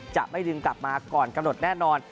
จะไม่ดึงกลับมาก่อนกำหนดแน่นอน